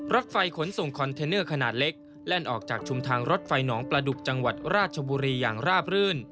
รถไฟขนส่งคอนเทนเนอร์ขนาดเล็กแล่นออกจากชุมทางรถไฟหนองประดุกจังหวัดราชบุรีอย่างราบรื่น